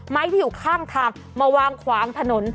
ที่อยู่ข้างทางมาวางขวางถนน